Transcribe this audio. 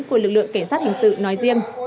của lực lượng cảnh sát hình sự nói riêng